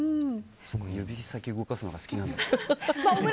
指先動かすのが好きなんだ、俺。